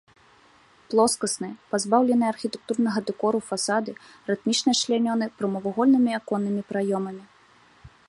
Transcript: Плоскасныя, пазбаўленыя архітэктурнага дэкору фасады рытмічна члянёны прамавугольнымі аконнымі праёмамі.